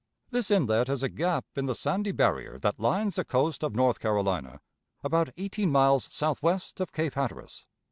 This inlet is a gap in the sandy barrier that lines the coast of North Carolina about eighteen miles southwest of Cape Hatteras.